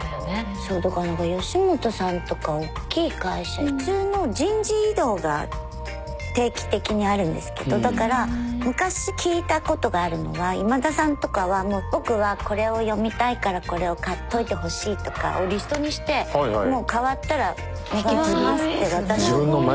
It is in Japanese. そうだから何か吉本さんとかおっきい会社普通の人事異動が定期的にあるんですけどだから昔聞いたことがあるのは今田さんとかはもう僕はこれを読みたいからこれを買っといてほしいとかをリストにしてもう替わったらお願いしますって渡す。